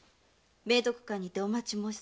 明徳館にてお待ちもうす」